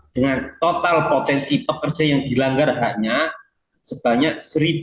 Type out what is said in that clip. dengan total potensi pekerja yang dilanggar haknya sebanyak seribu sembilan ratus enam puluh lima